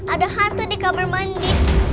ada hate di kamar mandi